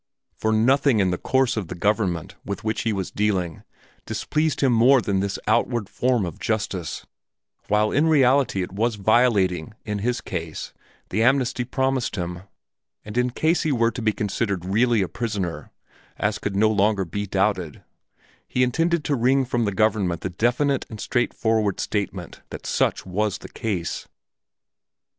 For nothing in the course of the government with which he was dealing displeased him more than this outward form of justice, while in reality it was violating in his case the amnesty promised him, and in case he were to be considered really a prisoner as could no longer be doubted he intended to wring from the government the definite and straightforward statement that such was the case.